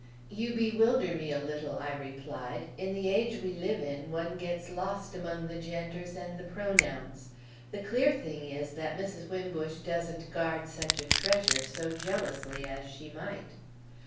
"'You bewilder me a little,' I replied; 'in the age we live in one gets lost among the genders and the pronouns. The clear thing is that Mrs. Wimbush doesn't guard such a treasure so jealously as she might.